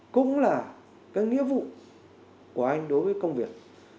cũng là cái nghĩa vụ của anh đối với công việc